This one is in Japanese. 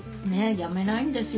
辞めないんですよ。